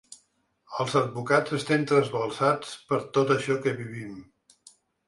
Els advocats estem trasbalsats per tot això que vivim.